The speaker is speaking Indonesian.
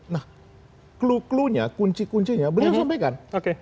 nah klunya kunci kuncinya beliau sampaikan